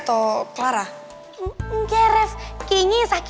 duh kok gue malah jadi mikir macem macem gini ya